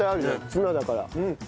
ツナだから。